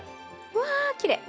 わきれい！